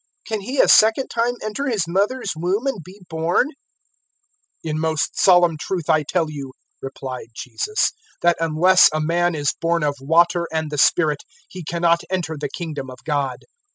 Can he a second time enter his mother's womb and be born?" 003:005 "In most solemn truth I tell you," replied Jesus, "that unless a man is born of water and the Spirit, he cannot enter the Kingdom of God.